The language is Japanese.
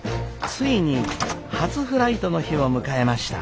ついに初フライトの日を迎えました。